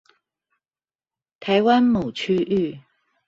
台灣某區域